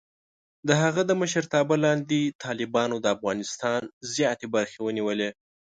د هغه د مشرتابه لاندې، طالبانو د افغانستان زیاتې برخې ونیولې.